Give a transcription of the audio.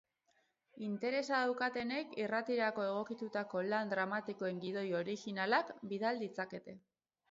Interesa daukatenek irratirako egokitutako lan dramatikoen gidoi originalak bidal ditzakete.